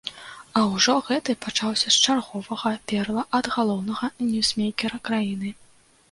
А ўжо гэты пачаўся з чарговага перла ад галоўнага ньюсмейкера краіны.